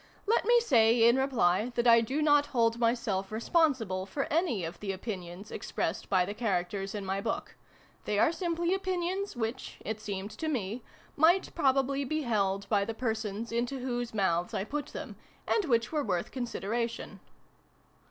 Let me say, in reply, that I do not hold myself responsible for any of the opinions expressed by the characters in my book. They are simply opinions which, it seemed to me, might probably be held by the persons into whose mouths I put them, and which were worth consideration.